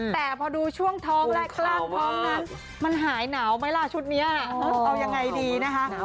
แต่พอดูช่วงท้องและกล้ามท้องนั้นมันหายหนาวไหมล่ะชุดนี้เอายังไงดีนะคะ